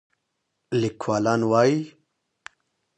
لیکوالان وايي